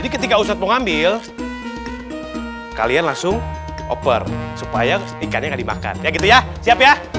ketika ustadz mau ngambil kalian langsung oper supaya ikannya nggak dimakan ya gitu ya siap ya